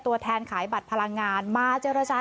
ตัวแทนขายบัตรพลังงานมาเจรจา